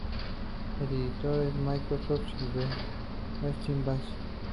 El editor es Microsoft Silverlight Base.